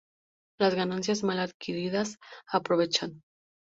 Las ganancias mal adquiridas aprovechan.